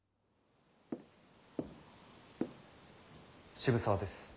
渋沢です。